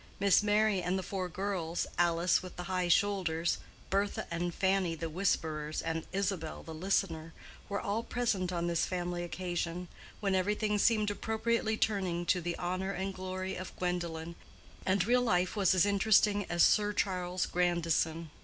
Miss Merry and the four girls, Alice with the high shoulders, Bertha and Fanny the whisperers, and Isabel the listener, were all present on this family occasion, when everything seemed appropriately turning to the honor and glory of Gwendolen, and real life was as interesting as "Sir Charles Grandison."